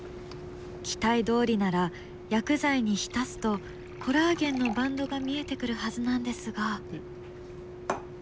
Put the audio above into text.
期待どおりなら薬剤に浸すとコラーゲンのバンドが見えてくるはずなんですが。